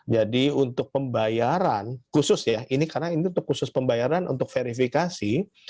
jadi untuk pembayaran khusus ya ini karena khusus pembayaran untuk verifikasi